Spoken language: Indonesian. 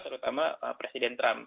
terutama presiden trump